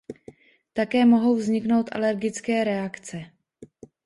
Také mohou vzniknout alergické reakce.